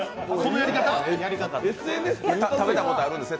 食べたことあるんですね？